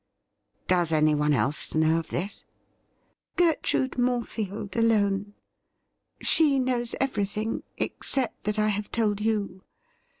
' Does anyone else know of this ?'' 'Gertrude Morefield alone. She knows everything, except that I have told you.